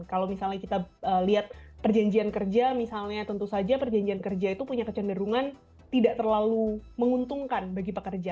kalau misalnya kita lihat perjanjian kerja misalnya tentu saja perjanjian kerja itu punya kecenderungan tidak terlalu menguntungkan bagi pekerja